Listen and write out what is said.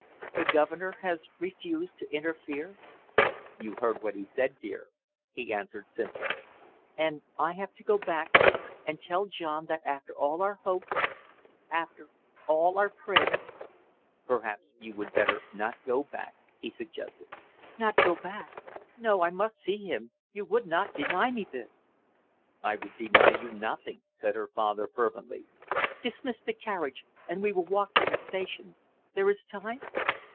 "The governor has refused to interfere?" "You heard what he said, dear," he answered simply. "And I have to go back and tell John that after all our hopes, after all our prayers " "Perhaps you would better not go back," he suggested. "Not go back? No, I must see him! You would not deny me this " "I would deny you nothing," said her father fervently. "Dismiss the carriage, and we will walk to the station; there is time?"